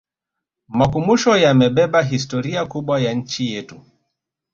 makumusho yamebeba historia kubwa ya nchi yetu